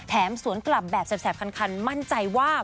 สวนกลับแบบแสบคันมั่นใจว่า